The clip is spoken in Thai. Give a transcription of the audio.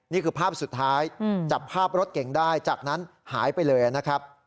นี่คือภาพสุดท้ายจับภาพรถเก่งได้จากนั้นหายไปเลยนะครับ